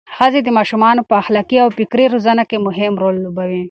ښځې د ماشومانو په اخلاقي او فکري روزنه کې مهم رول لوبوي.